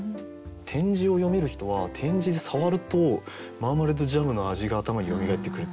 点字を読める人は点字で触るとママレードジャムの味が頭によみがえってくる。